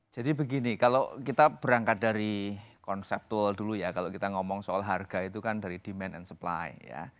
jadi begini kalau kita berangkat dari konsep tool dulu ya kalau kita ngomong soal harga itu kan dari demand and supply